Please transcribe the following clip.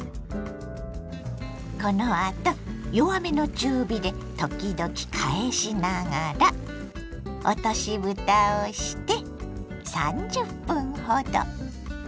このあと弱めの中火で時々返しながら落としぶたをして３０分ほど。